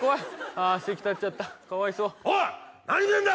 ああ席立っちゃったかわいそうおい何見てんだ？